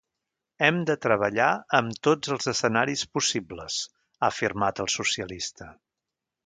Hem de treballar amb tots els escenaris possibles, ha afirmat el socialista.